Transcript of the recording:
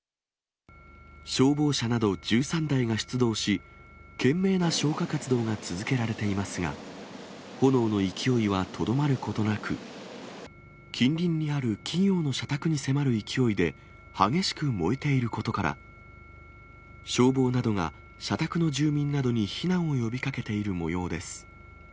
消防車など１３台が出動し、懸命な消火活動が続けられていますが、炎の勢いはとどまることなく、近隣にある企業の社宅に迫る勢いで激しく燃えていることから、消防などが、社宅の住民などに避難を呼びかけているもようです。